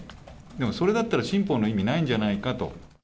でもそれだったら新法の意味ないんじゃないかと。